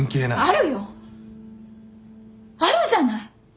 あるじゃない！